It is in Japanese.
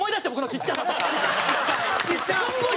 ちっちゃ！